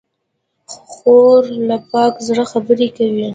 خور له پاک زړه خبرې کوي.